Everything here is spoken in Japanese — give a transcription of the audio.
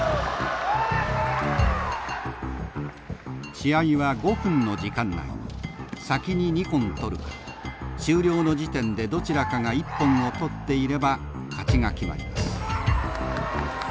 試合は５分の時間内に先に２本取るか終了の時点でどちらかが一本を取っていれば勝ちが決まります。